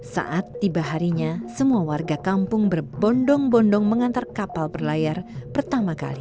saat tiba harinya semua warga kampung berbondong bondong mengantar kapal berlayar pertama kali